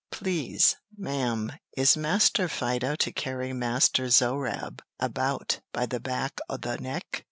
"Please, ma'am, is Master Fido to carry Master Zohrab about by the back o' the neck?"